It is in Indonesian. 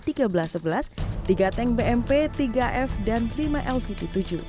tiga tank bmp tiga f dan lima lvt tujuh